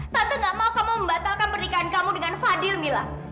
satu gak mau kamu membatalkan pernikahan kamu dengan fadil mila